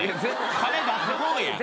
金出す方やん。